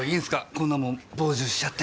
こんなもん傍受しちゃって。